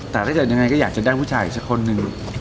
แต่ถ้าดูยังไงก็จะอยากจะได้ผู้ชายอีกหนึ่ง